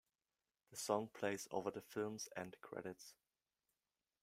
The song plays over the film's end credits.